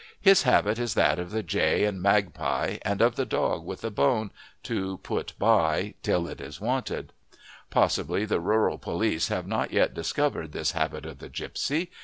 His habit is that of the jay and magpie, and of the dog with a bone to put by till it is wanted. Possibly the rural police have not yet discovered this habit of the gipsy.